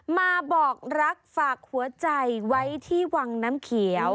มาบอกรักฝากหัวใจไว้ที่วังน้ำเขียว